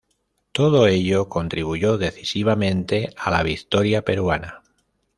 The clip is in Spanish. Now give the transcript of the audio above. Todo ello contribuyó decisivamente a la victoria peruana.